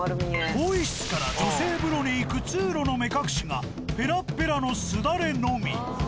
更衣室から女性風呂に行く通路の目隠しがペラッペラの簾のみ。